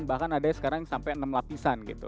bahkan ada yang sekarang sampai enam lapisan gitu